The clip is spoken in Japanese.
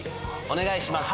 お願いします